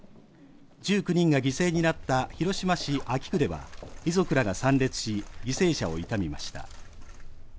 １９人が犠牲になった広島市安芸区では遺族らが参列し、犠牲者を悼みました。